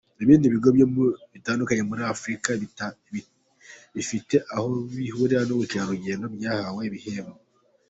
Ibindi bigo bitandukanye byo muri Afurika bifite aho bihurira n’ubukerarugendo nabyo byahawe ibihembo.